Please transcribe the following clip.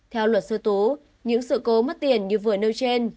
theo luật sư tố những sự cố mất tiền như vừa nêu trên